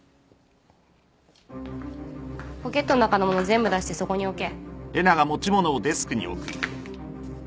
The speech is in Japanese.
ポケットの中のもの全部出してそこに置け。